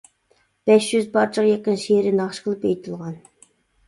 بەش يۈز پارچىغا يېقىن شېئىرى ناخشا قىلىپ ئېيتىلغان.